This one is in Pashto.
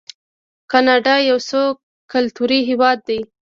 کاناډا یو څو کلتوری هیواد دی.